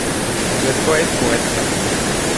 Vous êtes poète pour être plat.